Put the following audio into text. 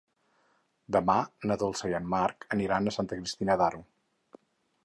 Demà na Dolça i en Marc aniran a Santa Cristina d'Aro.